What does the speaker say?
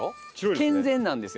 健全なんですよ。